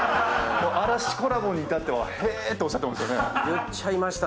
嵐コラボに至っては「へぇ」っておっしゃってました。